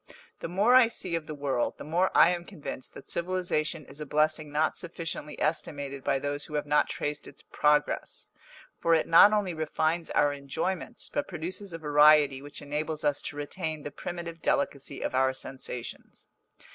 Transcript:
The more I see of the world, the more I am convinced that civilisation is a blessing not sufficiently estimated by those who have not traced its progress; for it not only refines our enjoyments, but produces a variety which enables us to retain the primitive delicacy of our sensations.